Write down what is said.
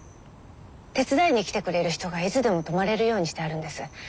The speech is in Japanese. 手伝いに来てくれる人がいつでも泊まれるようにしてあるんです。